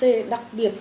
vitamin c đặc biệt